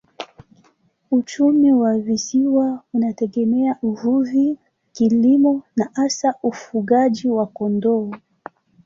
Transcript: Uchumi wa visiwa unategemea uvuvi, kilimo na hasa ufugaji wa kondoo.